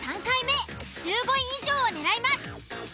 ３回目１５位以上を狙います。